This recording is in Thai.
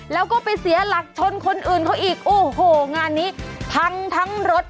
แล้วก็ไปเสียหลักชนคนอื่นเขาอีกโอ้โหงานนี้พังทั้งรถ